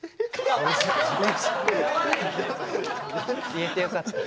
言えてよかった。